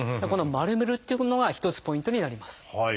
この丸めるっていうのが一つポイントになります。